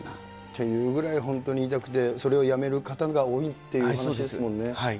ていうぐらい、本当に痛くて、それをやめる方が多いっていう話ですもんね。